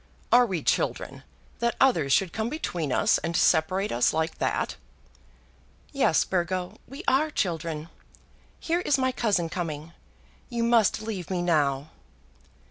Are we children, that others should come between us and separate us like that?" "Yes, Burgo; we are children. Here is my cousin coming. You must leave me now."